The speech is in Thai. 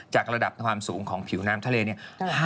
จากระดับความสูงของผิวน้ำทะเลเนี่ย